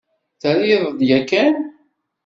Terriḍ-d yakan?